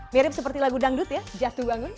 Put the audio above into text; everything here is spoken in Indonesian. mirip seperti lagu dangdut ya jatuh bangun